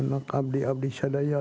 semoga allah memberi kemampuan